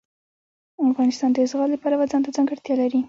افغانستان د زغال د پلوه ځانته ځانګړتیا لري.